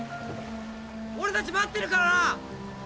俺たち待ってるからな！